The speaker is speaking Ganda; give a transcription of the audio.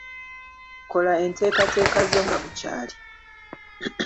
Kola enteekateeka zo nga bukyali.